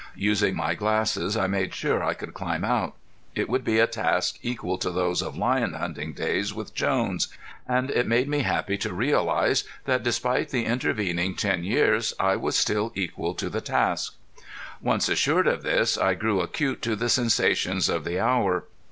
Using my glasses I made sure that I could climb out. It would be a task equal to those of lion hunting days with Jones, and it made me happy to realize that despite the intervening ten years I was still equal to the task. Once assured of this I grew acute to the sensations of the hour.